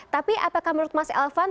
tapi apakah menurut mas elvan